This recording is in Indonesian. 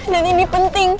dan ini penting